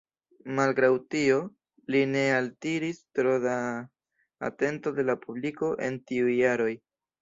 Malgraŭ tio, li ne altiris tro da atento de la publiko en tiuj jaroj.